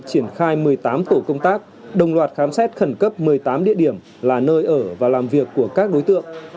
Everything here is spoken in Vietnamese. triển khai một mươi tám tổ công tác đồng loạt khám xét khẩn cấp một mươi tám địa điểm là nơi ở và làm việc của các đối tượng